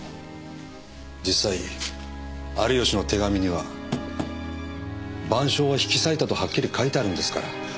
実際有吉の手紙には『晩鐘』は引き裂いたとはっきり書いてあるんですから。